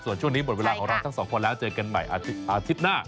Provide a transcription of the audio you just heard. ส่วนช่วงนี้หมดเวลาของเราทั้งสองคนแล้วเจอกันใหม่อาทิตย์หน้า